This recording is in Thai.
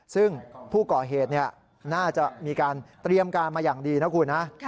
ซึ่งผู้ก่อเหตุน่าจะมีการเตรียมการมาอย่างดีนะคุณนะ